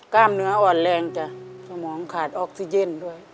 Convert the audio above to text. กล้ามเนื้ออ่อนแรงจ้ะสมองขาดออกซิเจนด้วย